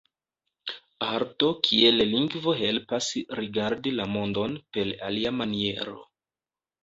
Arto kiel lingvo helpas rigardi la mondon per alia maniero.